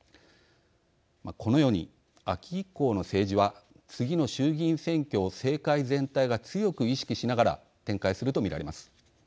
このように秋以降の政治は次の衆議院選挙を政界全体が強く意識しながら展開すると見られます。